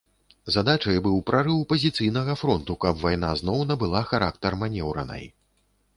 Задачай быў прарыў пазіцыйнага фронту, каб вайна зноў набыла характар манеўранай.